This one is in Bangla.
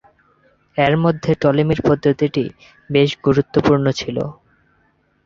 এর মধ্যে টলেমির পদ্ধতিটি বেশ গুরুত্বপূর্ণ ছিল।